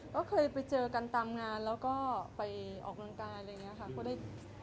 ก็เคยไปเจอกันตามงานแล้วก็ไปออกกำลังกายอะไรอย่างนี้ค่ะ